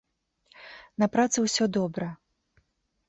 На працы ўсё добра.